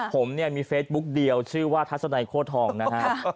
ผมเนี่ยมีเฟซบุ๊กเดียวชื่อว่าทัศนัยโค้ทองนะฮะ